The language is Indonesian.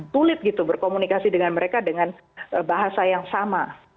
sulit gitu berkomunikasi dengan mereka dengan bahasa yang sama